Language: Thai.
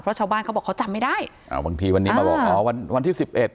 เพราะชาวบ้านเขาบอกเขาจำไม่ได้อ่าบางทีวันนี้มาบอกอ๋อวันวันที่สิบเอ็ด